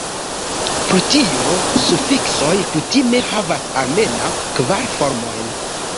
Pro tio, sufiksoj kutime havas almenaŭ kvar formojn.